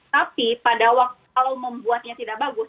tapi pada waktu kalau membuatnya tidak bagus